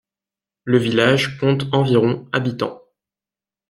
Le village compte environ habitants.